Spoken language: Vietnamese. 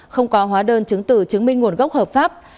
không có hóa đơn chứng tử chứng minh nguồn gốc hợp pháp